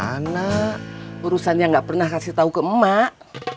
karena urusannya gak pernah kasih tau ke emak